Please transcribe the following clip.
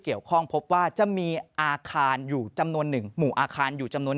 เกี่ยวข้องพบว่าจะมีอาคารอยู่จำนวน๑หมู่อาคารอยู่จำนวน